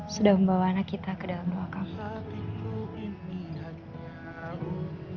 sudah membawa anak kita ke dalam doa kamu